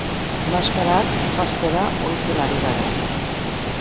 Maskarak janztera ohitzen ari gara.